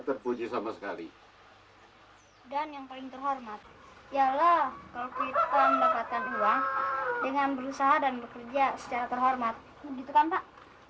terpuji sama sekali hai dan yang paling terhormat ya allah kalau kita mendapatkan uang dengan berusaha